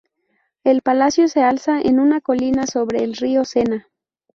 El palacio se alza en una colina sobre el río Sena.